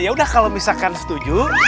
yaudah kalau misalkan setuju